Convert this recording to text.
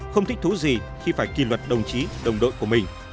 không thích thú gì khi phải kỳ luật đồng chí đồng đội của mình